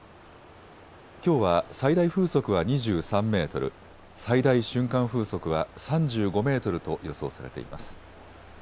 きょうは最大風速は２３メートル、最大瞬間風速は３５メートルと予想されています。